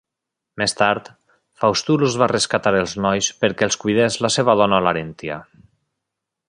Més tard, Faustulus va rescatar els nois perquè els cuidés la seva dona Larentia.